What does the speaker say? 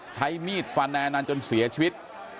ใช้มีดฟันนายอนันต์จนเสียชีวิต